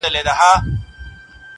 په هفتو یې سره وکړل مجلسونه٫